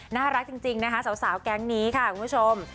น่ารักจริงนะคะสาวแก๊งนี้ค่ะคุณผู้ชม